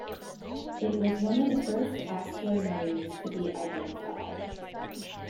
It was one of the first asteroid moons to be identified.